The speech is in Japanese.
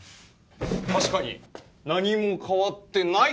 確かに何も変わってない！